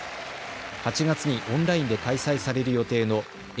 ８月にオンラインで開催される予定のＡＢＵ